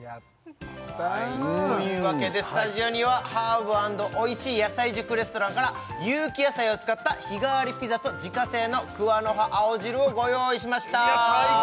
はいというわけでスタジオにはハーブ＆おいしい野菜塾レストランから有機野菜を使った日替わりピザと自家製の桑の葉青汁をご用意しましたいや最高！